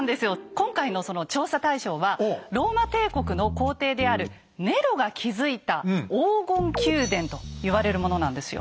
今回のその調査対象はローマ帝国の皇帝であるネロが築いた「黄金宮殿」と言われるものなんですよ。